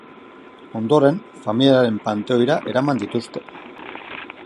Ondoren, familiaren panteoira eraman dituzte.